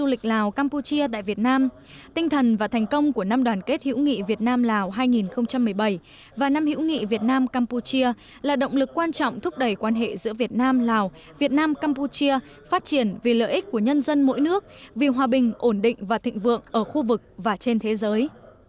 lịch lào campuchia tại việt nam tinh thần và thành công của năm đoàn kết hữu nghị việt nam lào hai nghìn một mươi bảy và năm hữu nghị việt nam campuchia là động lực quan trọng thúc đẩy quan hệ giữa việt nam lào việt nam campuchia phát triển vì lợi ích của nhân dân mỗi nước vì hòa bình ổn định và thịnh vượng ở khu vực và trên thế giới